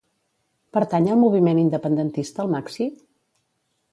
Pertany al moviment independentista el Maxi?